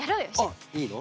あっいいよ。